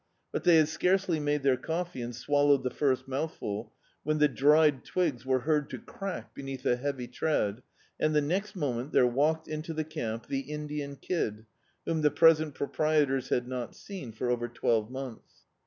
But they had scarcely made their cofice and swallowed the first mouthful, when the dried twigs were heard to crack beneath a heavy tread and, the next moment, there walked into the camp the Indian Kid, whom tfie present proprietors had not seen for over twelve months.